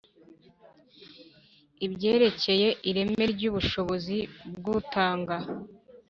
Ibyerekeye ireme ry ubushobozi bw utanga